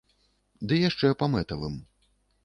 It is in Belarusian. Ды яшчэ па мэтавым.